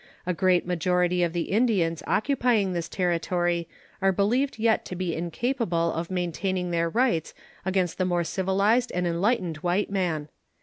A great majority of the Indians occupying this Territory are believed yet to be incapable of maintaining their rights against the more civilized and enlightened white man.